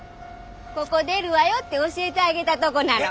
ここ出るわよって教えてあげたとこなの。